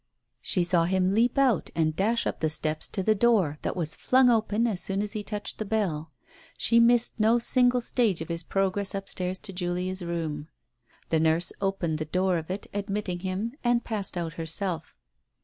She saw him leap out and dash up the steps to the door that was flung open as soon as he touched the bell. She missed no single stage of his progress upstairs to Julia's room. The nurse opened the door of it, admitted him, and passed out herself.